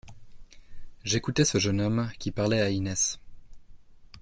J’écoutais ce jeune homme, qui parlait à Inès.